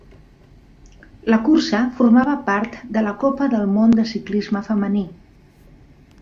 La cursa formava part de la Copa del Món de ciclisme femení.